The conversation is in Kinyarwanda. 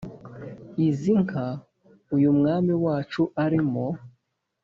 izi nka uyu mwami wacu arimo,